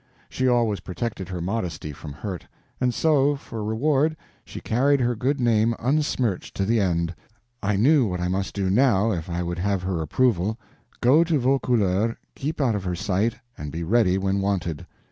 She always protected her modesty from hurt; and so, for reward, she carried her good name unsmirched to the end. I knew what I must do now, if I would have her approval: go to Vaucouleurs, keep out of her sight, and be ready when wanted.